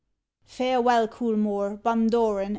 Farewell, Coolmore, Bundoran!